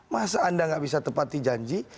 masa anda gak bisa tepati janji